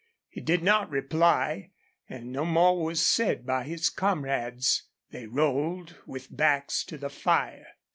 He did not reply, and no more was said by his comrades. They rolled with backs to the fire.